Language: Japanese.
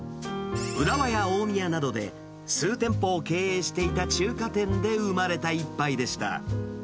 浦和や大宮などで数店舗を経営していた中華店で生まれた一杯でした。